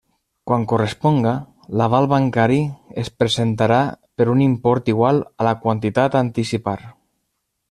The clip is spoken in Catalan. Quan corresponga, l'aval bancari es presentarà per un import igual a la quantitat a anticipar.